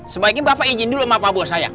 sebaiknya bapak ijin dulom mafapenkba siang